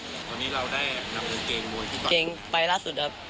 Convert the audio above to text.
ตอนนี้เราได้นำกางเกงมวยที่เกาะเกงไปล่าสุดครับ